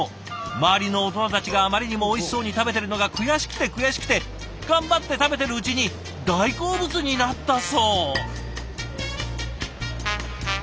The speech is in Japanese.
周りの大人たちがあまりにもおいしそうに食べてるのが悔しくて悔しくて頑張って食べてるうちに大好物になったそう。